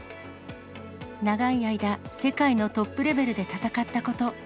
長い間、世界のトップレベルで戦ったこと。